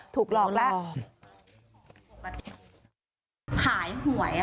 ถูกหลอกแล้ว